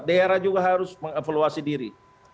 daerah juga harus meng evaluasi diri